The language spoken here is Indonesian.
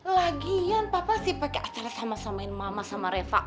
lagian papa sih pakai acara sama samain mama sama reva